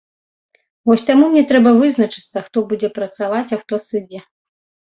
Вось таму мне трэба вызначыцца, хто будзе працаваць, а хто сыдзе.